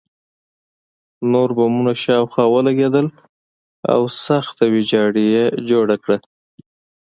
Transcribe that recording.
نور بمونه شاوخوا ولګېدل او سخته ویجاړي یې جوړه کړه